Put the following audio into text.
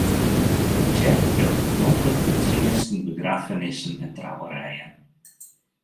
De tsjerke bliuwt tagonklik foar tsjinsten, begraffenissen en trouwerijen.